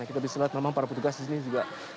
kita bisa lihat memang para petugas di sini juga